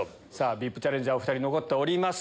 ＶＩＰチャレンジャーお２人残っております。